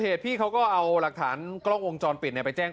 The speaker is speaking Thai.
เหตุพี่เขาก็เอาหลักฐานกล้ององค์จอนปิดเนี้ยไปแจ้ง